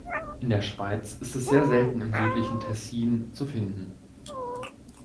In der Schweiz ist es sehr selten im südlichen Tessin zu finden.